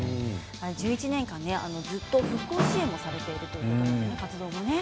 １１年間ずっと復興支援をされているという、活動をね。